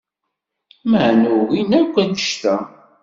Maɛna ugin akk anect-a…